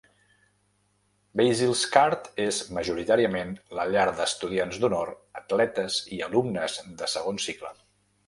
Basil's Court és majoritàriament la llar d'estudiants d'honor, atletes i alumnes de segon cicle.